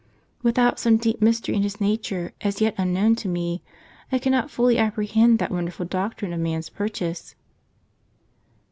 "Without some deep mystery in His nature, as yet unknown to me, I cannot fully apprehend that wonderful doc trine of man's purchase."